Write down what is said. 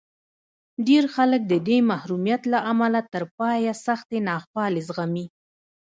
ډېر خلک د دې محرومیت له امله تر پایه سختې ناخوالې زغمي